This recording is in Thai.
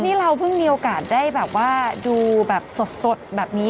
นี่เราเพิ่งมีโอกาสได้แบบว่าดูแบบสดแบบนี้